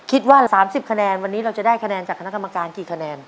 คิดว่า๓๐คะแนนวันนี้เราจะได้คะแนนจากคณะกรรมการกี่คะแนน